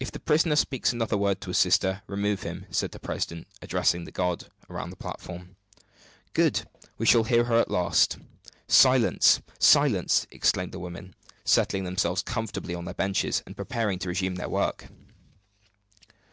"If the prisoner speaks another word to his sister, remove him," said the president, addressing the guard round the platform. "Good! we shall hear her at last. Silence! silence!" exclaimed the women, settling themselves comfortably on their benches, and preparing to resume their work.